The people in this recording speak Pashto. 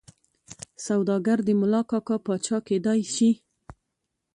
سوداګر د ملاکا پاچا کېدای شي.